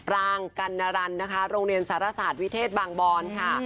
รางกัณรันนะคะโรงเรียนสารศาสตร์วิเทศบางบอนค่ะ